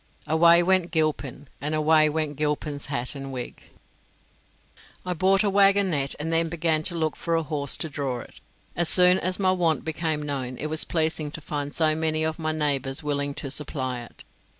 "Away went Gilpin, and away Went Gilpin's hat and wig." I bought a waggonette, and then began to look for a horse to draw it. As soon as my want became known it was pleasing to find so many of my neighbours willing to supply it.